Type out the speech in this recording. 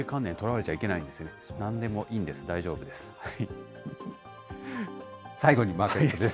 なんでもいいんです、大丈夫です。